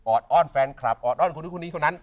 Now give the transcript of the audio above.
ออดอ้อนแฟนคลับออดอ้อนคุณคุณนี้คนนั้น